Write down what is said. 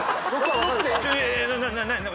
何？